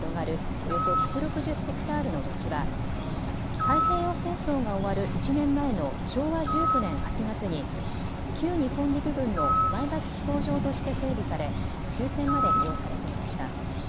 およそ１６０ヘクタールの土地は太平洋戦争が終わる１年前の昭和１９年８月に旧日本陸軍の前橋飛行場として整備され終戦まで利用されていました。